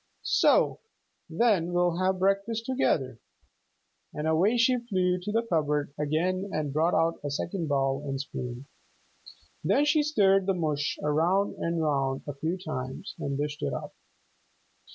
"So. Then we'll breakfast together," and away she flew to the cupboard again and brought out a second bowl and spoon. Then she stirred the mush round and round a few times and dished it up.